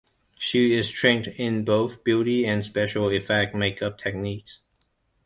She is trained in both beauty and special effect make-up techniques.